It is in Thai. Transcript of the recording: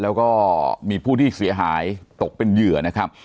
แล้วก็มีผู้ที่เสียหายตกเป็นเหยื่อนะครับ